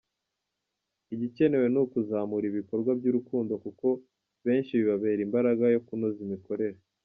Igikenewe ni ukuzamura ibikorwa by’urukundo kuko benshi bibabera imbaraga yo kunoza imikorere.